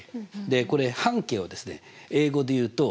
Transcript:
でこれ半径をですね英語で言うと。